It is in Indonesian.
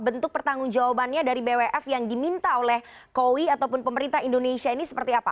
bentuk pertanggung jawabannya dari bwf yang diminta oleh koi ataupun pemerintah indonesia ini seperti apa